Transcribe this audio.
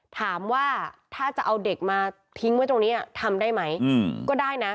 ถามว่าถ้าจะเอาเด็กมาทิ้งไว้ตรงนี้ทำได้ไหมก็ได้นะ